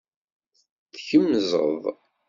Tkemzeḍ.